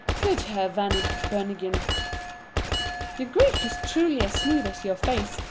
"Good Herr Van Beunigen," she said, "your Greek is truly as smooth as your face.